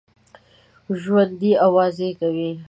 ژوندي آواز کوي